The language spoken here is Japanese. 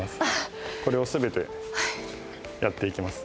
これをすべてやっていきます。